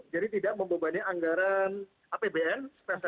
jadi tidak membebani anggaran apbn